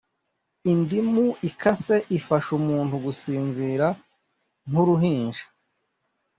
Indimu ikase ifasha umuntu gusinzira nk’uruhinja